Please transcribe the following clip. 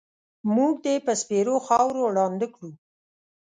مونږ دې په سپېرو خاورو ړانده کړو